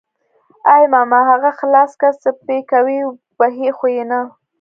ای ماما اغه خلاص که څه پې کوي وهي خو يې نه.